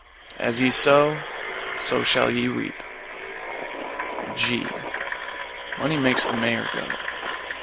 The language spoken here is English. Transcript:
As ye sew, so shall ye rip. G Money makes the mayor go.